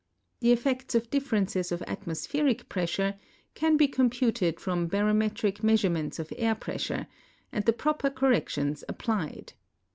The effects ,of differences of atmospheric pressure can be computed from barometric measurements of air pressure, and the proper correc tions applied.